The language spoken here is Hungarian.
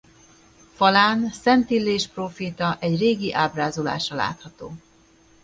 Falán Szent Illés próféta egy régi ábrázolása látható.